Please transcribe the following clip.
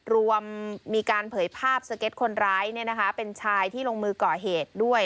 รวมมีการเผยภาพสเก็ตคนร้ายเป็นชายที่ลงมือก่อเหตุด้วย